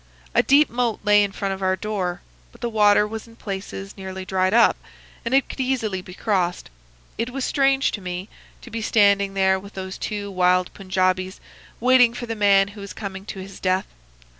A deep moat lay in front of our door, but the water was in places nearly dried up, and it could easily be crossed. It was strange to me to be standing there with those two wild Punjaubees waiting for the man who was coming to his death.